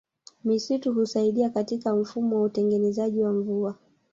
Misitu Husaidia katika mfumo wa utengenezaji wa mvua